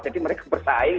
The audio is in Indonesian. jadi mereka bersaing